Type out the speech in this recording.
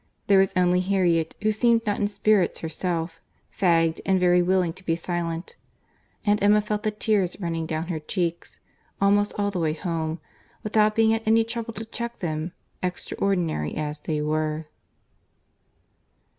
There was only Harriet, who seemed not in spirits herself, fagged, and very willing to be silent; and Emma felt the tears running down her cheeks almost all the way home, without being at any trouble to check them, extraordinary as they were.